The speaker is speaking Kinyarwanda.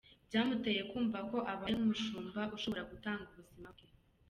Byamuteye kumva ko abaye nk’umushumba ushobora gutanga ubuzima bwe.